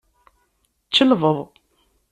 Čelbeḍ.